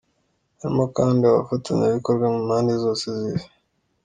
Harimo kandi abafatanyabikorwa mu mpande zose z’Isi.